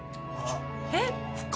えっ？